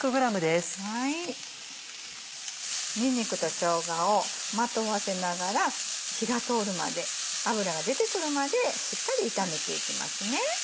にんにくとしょうがをまとわせながら火が通るまで脂が出てくるまでしっかり炒めていきますね。